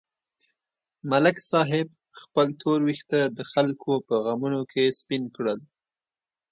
ملک صاحب خپل تور وېښته د خلکو په غمونو کې سپین کړل.